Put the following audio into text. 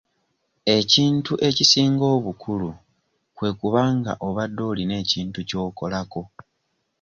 Ekintu ekisinga obukulu kwe kuba nga obadde olina ekintu ky'okolako.